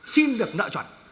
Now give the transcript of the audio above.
xin được nợ chuẩn